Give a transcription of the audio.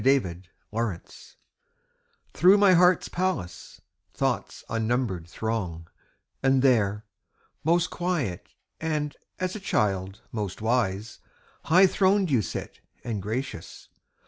Day and Night Through my heart's palace Thoughts unnumbered throng; And there, most quiet and, as a child, most wise, High throned you sit, and gracious.